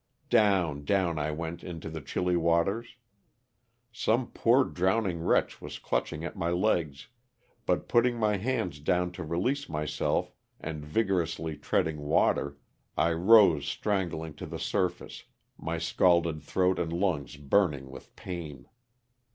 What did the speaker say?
Down, down I went into the chilly waters. Some poor drowning wretch was clutching at my legs, but putting my hands down to release myself and vig orously treading water, I rose strangling to the sur LOSS OF THE SULTAlifA. 119 face, my scalded throat and lungs burning with pain.